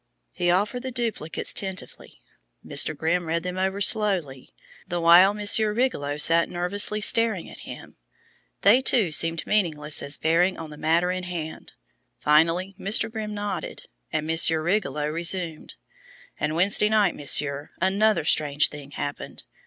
He offered the duplicates tentatively. Mr. Grimm read them over slowly, the while Monsieur Rigolot sat nervously staring at him. They, too, seemed meaningless as bearing on the matter in hand. Finally, Mr. Grimm nodded, and Monsieur Rigolot resumed: "And Wednesday night, Monsieur, another strange thing happened.